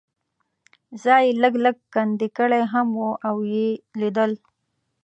ځای یې لږ لږ کندې کړی هم و او یې لیدل.